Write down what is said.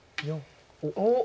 おっ。